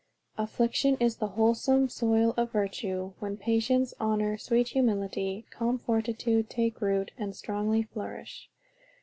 "Affliction is the wholesome soil of virtue; Where patience, honor, sweet humanity, Calm fortitude, take root, and strongly flourish."